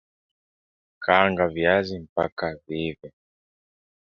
kaanga viazi mpaka viive